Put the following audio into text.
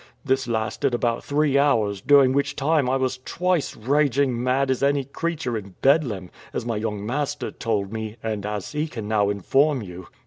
This lasted about three hours, during which time I was twice raging mad as any creature in Bedlam, as my young master told me, and as he can now inform you.